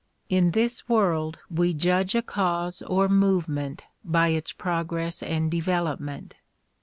In this world we judge a cause or movement by its progress and development.